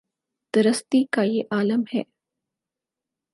درستی کا یہ عالم ہے۔